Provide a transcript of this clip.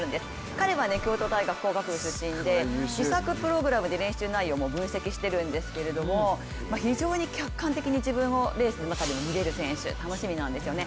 彼は京都大学工学部出身で自作プログラムで練習内容も分析してるんですけど非常に客観的にレースの中を見られる選手、楽しみなんですよね。